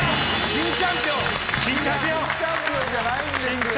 新チャンピオンじゃないんですよ。